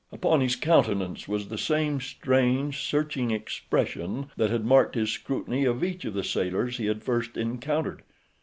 Upon his countenance was the same strange, searching expression that had marked his scrutiny of each of the sailors he had first encountered.